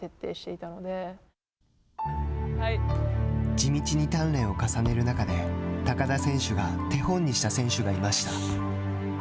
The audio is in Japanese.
地道に鍛錬を重ねる中で高田選手が手本にした選手がいました。